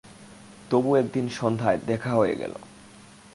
তবু একদিন সন্ধ্যায় দেখা হয়ে গেল।